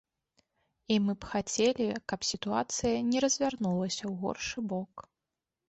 І мы б хацелі, каб сітуацыя не развярнулася ў горшы бок.